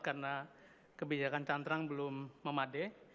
karena kebijakan cantrang belum memade